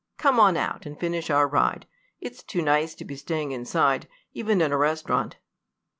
Come on out and finish our ride. It's too nice to be staying inside, even in a restaurant."